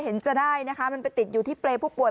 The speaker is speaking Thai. เห็นจะได้นะคะมันไปติดอยู่ที่เปรย์ผู้ป่ว